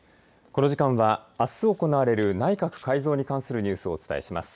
この時間はあす行われる内閣改造に関するニュースをお伝えします。